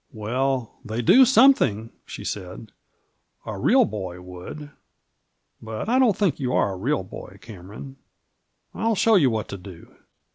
" Well, they do something. !" she said ;" a real boy would. But I don't think you are a real boy, Cameron. ril show you what to do.